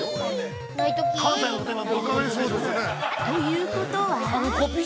◆ということは？